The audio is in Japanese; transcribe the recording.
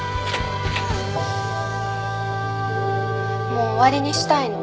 もう終わりにしたいの。